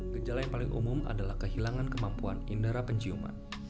gejala yang paling umum adalah kehilangan kemampuan indera penciuman